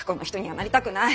なりたくないのよ！